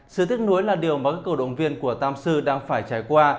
sự tiếc nuối là điều mà các cầu động viên của tamsu đang phải trải qua